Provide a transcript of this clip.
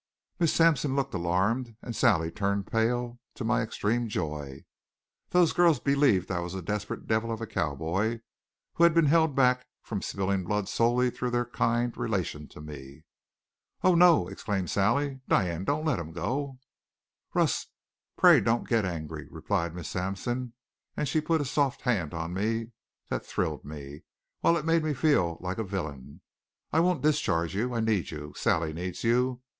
Miss Sampson looked alarmed and Sally turned pale, to my extreme joy. Those girls believed I was a desperate devil of a cowboy, who had been held back from spilling blood solely through their kind relation to me. "Oh, no!" exclaimed Sally. "Diane, don't let him go!" "Russ, pray don't get angry," replied Miss Sampson and she put a soft hand on me that thrilled me, while it made me feel like a villain. "I won't discharge you. I need you. Sally needs you.